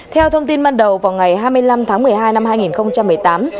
theo thông tin ban đầu vào ngày hai mươi năm tháng một mươi hai năm hai nghìn một mươi tám